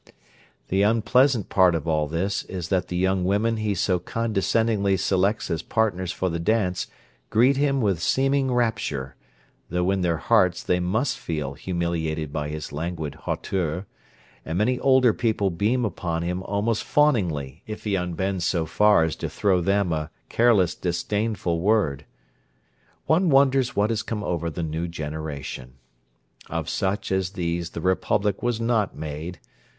The unpleasant part of all this is that the young women he so condescendingly selects as partners for the dance greet him with seeming rapture, though in their hearts they must feel humiliated by his languid hauteur, and many older people beam upon him almost fawningly if he unbends so far as to throw them a careless, disdainful word! One wonders what has come over the new generation. Of such as these the Republic was not made.